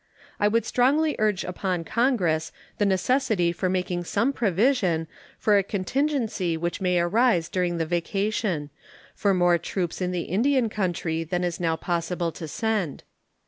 I would strongly urge upon Congress the necessity for making some provision for a contingency which may arise during the vacation for more troops in the Indian country than it is now possible to send.